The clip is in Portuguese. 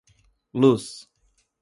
Luz